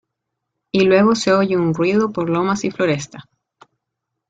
Y luego se oye un ruido por lomas y floresta.